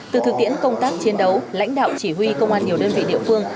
từ thực tiễn công tác chiến đấu lãnh đạo chỉ huy công an nhiều đơn vị địa phương